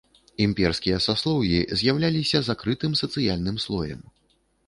Імперскія саслоўі з'яўляліся закрытым сацыяльным слоем.